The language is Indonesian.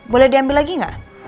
boleh diambil lagi nggak